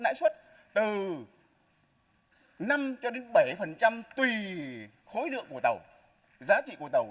lãi suất từ năm cho đến bảy phần trăm tùy khối lượng của tàu giá trị của tàu